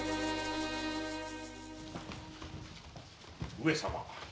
上様